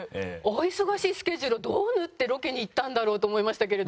お忙しいスケジュールをどう縫ってロケに行ったんだろうと思いましたけれども。